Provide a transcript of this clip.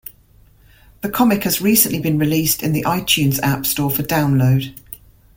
The comic has recently been released in the iTunes App store for download.